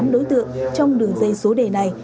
một mươi tám đối tượng trong đường dây số đề này